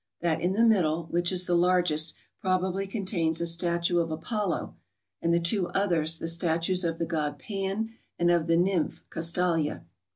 That in the middle, which is the largest, probably contains a statue of Apollo, and the two others the PARNASSCS. 173 statues of the god Pan and of tlie nympli Castalia.